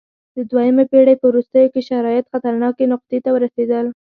د دویمې پېړۍ په وروستیو کې شرایط خطرناکې نقطې ته ورسېدل